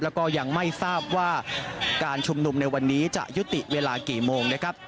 แล้วก็ยังไม่ทราบว่าการชุมนุมในวันนี้จะยุติเวลากี่โมงนะครับ